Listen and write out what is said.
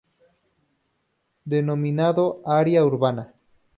Denominado área urbana.